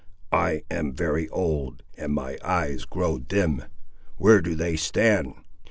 "I am very old, and my eyes grow dim. Where do they stand?"